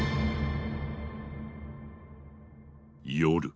夜。